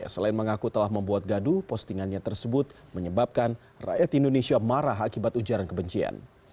selain mengaku telah membuat gaduh postingannya tersebut menyebabkan rakyat indonesia marah akibat ujaran kebencian